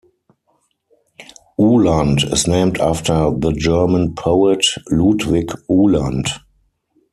Uhland is named after the German poet Ludwig Uhland.